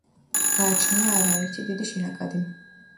გააჩნია არაერთი დიდი შენაკადი.